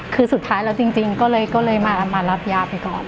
คือสุดท้ายแล้วจริงก็เลยมารับยาไปก่อน